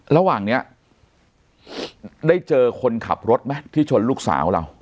ระหว่างนี้ได้เจอคนขับรถไหมที่ชนลูกสาวเรา